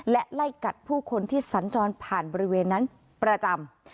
และไล่กัดผู้คนที่สัญจรผ่านบริเวณนั้นประจำ